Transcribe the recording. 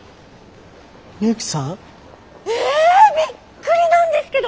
ミユキさん？えびっくりなんですけど！